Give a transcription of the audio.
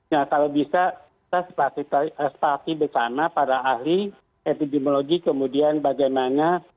nah kalau bisa kita starti bersama para ahli epidemiologi kemudian bagaimana